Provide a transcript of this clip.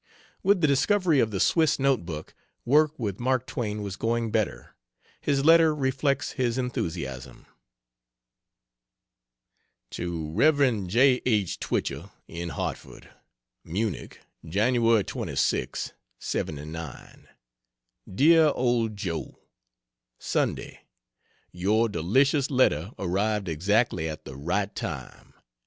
With the discovery of the Swiss note book, work with Mark Twain was going better. His letter reflects his enthusiasm. To Rev. J. H. Twichell, in Hartford: MUNICH, Jan 26 '79. DEAR OLD JOE, Sunday. Your delicious letter arrived exactly at the right time.